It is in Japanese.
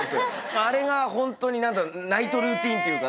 あれがホントにナイトルーティンっていうか。